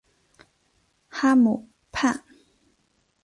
哈姆畔。